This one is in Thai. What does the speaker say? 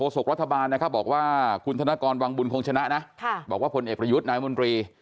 ศกรัฐบาลนะครับบอกว่าคุณธนกรวังบุญคงชนะนะบอกว่าพลเอกประยุทธ์นายมนตรี